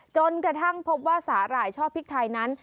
จนกระทั่งพบว่าสาหร่ายช่อพริกไทยนั้น